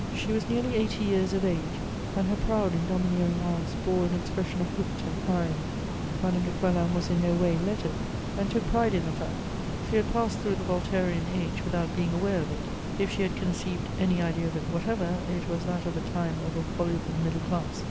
She was nearly eighty years of age, and her proud and domineering eyes bore an expression of wit and irony. Madame de Coislin was in no way lettered, and took pride in the fact; she had passed through the Voltairean age without being aware of it; if she had conceived any idea of it whatever, it was that of a time of a voluble middle class.